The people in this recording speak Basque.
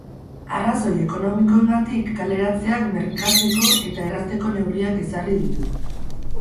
Arrazoi ekonomikoengatik kaleratzeak merkatzeko eta errazteko neurriak ezarri ditu.